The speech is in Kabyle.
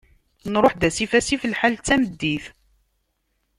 Nruḥ-d asif asif, lḥal d tameddit.